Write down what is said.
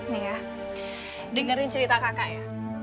nih ya dengerin cerita kakak ya